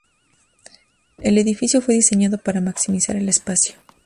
El edificio fue diseñado para maximizar el espacio.